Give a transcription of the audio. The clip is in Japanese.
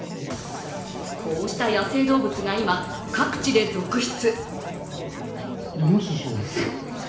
こうした野生動物が今、各地で続出。